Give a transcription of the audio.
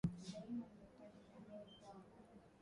Haishauriwi kuweka samadi baada ya kupanda mazao